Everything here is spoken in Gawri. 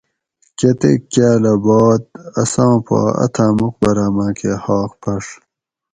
کتیک کاۤلہ باد اساں پا اتھاۤں مُقبراۤ ماۤکہ حاق پھڛ